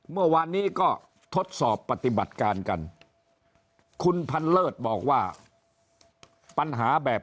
เมื่อวานนี้ก็ทดสอบปฏิบัติการกันคุณพันเลิศบอกว่าปัญหาแบบ